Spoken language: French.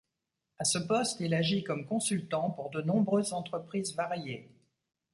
À ce poste, il agit comme consultant pour de nombreuses entreprises variées.